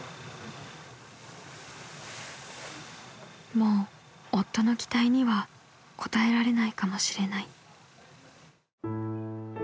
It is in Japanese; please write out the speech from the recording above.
［もう夫の期待には応えられないかもしれない］